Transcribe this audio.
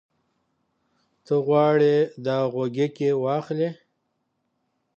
ته غواړې دا غوږيکې واخلې؟